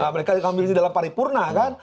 mereka yang diambil di dalam paripurna kan